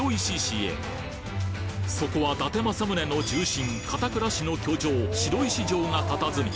そこは伊達政宗の重臣片倉氏の居城白石城が佇み